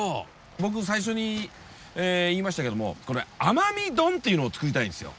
僕最初に言いましたけども奄美丼っていうのを作りたいんですよ。